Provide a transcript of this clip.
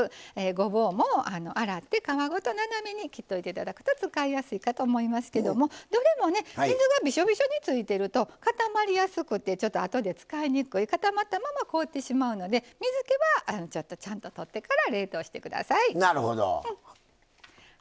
ごぼうも洗って皮ごと斜めに切っていただくと使いやすいかと思いますけどどれも水がびしょびしょについていますと固まりやすくてちょっと、あとで使いにくい固まったまま凍ってしまうので水けは、ちゃんととってから冷凍してください。